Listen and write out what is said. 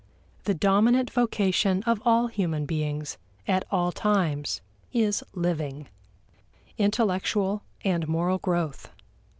The dominant vocation of all human beings at all times is living intellectual and moral growth.